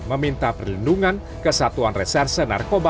meminta perlindungan kesatuan reserse narkoba